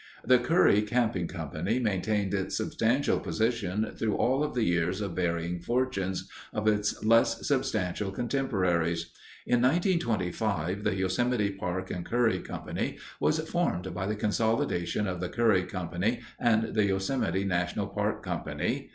The Curry Camping Company maintained its substantial position through all of the years of varying fortunes of its less substantial contemporaries. In 1925, the Yosemite Park and Curry Company was formed by the consolidation of the Curry Company and the Yosemite National Park Company.